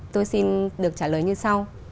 tôi xin được trả lời như sau